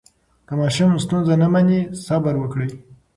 که ماشوم ستونزه نه مني، صبر وکړئ.